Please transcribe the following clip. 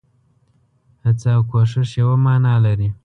هڅه او کوښښ يوه مانا لري.